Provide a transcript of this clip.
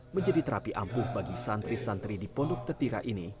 menjadi terapi ampuh bagi santri santri di pondok tetira ini